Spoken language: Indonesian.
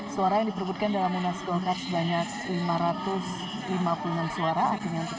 suara yang diperbutkan dalam munas golkar sebanyak lima ratus lima puluh enam suara